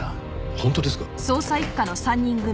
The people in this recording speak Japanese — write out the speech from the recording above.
本当ですか？